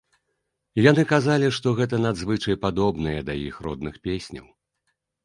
Яны казалі, што гэта надзвычай падобнае да іх родных песняў.